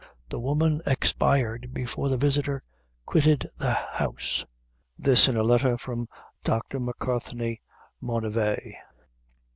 The woman expired before the visitor quitted the house.' Letter from Dr. Mucarthney, Monivae.